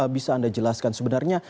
bisa anda jelaskan sebenarnya